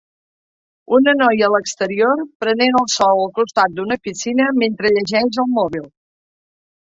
Una noia a l'exterior prenent el sol al costat d'una piscina mentre llegeix el mòbil.